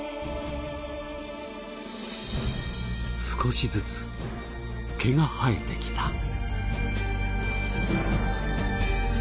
少しずつ毛が生えてきた。